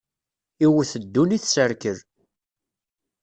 Iwwet ddunit, s rrkel.